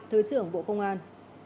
thứ trưởng bộ công an